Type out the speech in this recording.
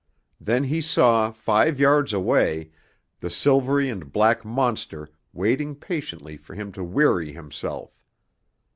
Then he saw, five yards away, the silvery and black monster waiting patiently for him to weary himself.